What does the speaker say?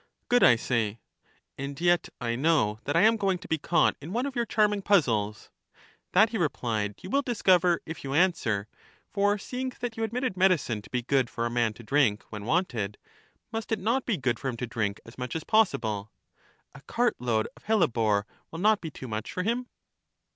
Good, I say. And yet I know that I am going to be caught in one of your charming puzzles. That, he replied, you will discover, if you answer; for seeing that you admitted medicine to be good for a man to drink, when wanted, must it not be good for him to drink as much as possible — a cartload of helle bore vrill not be too much for him?